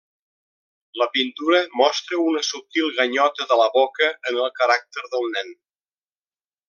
La pintura mostra una subtil ganyota de la boca en el caràcter del nen.